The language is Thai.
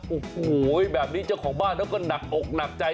โอ้โหแบบนี้เจ้าของบ้านเขาก็หนักอกหนักใจ